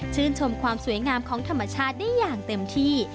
ชมความสวยงามของธรรมชาติได้อย่างเต็มที่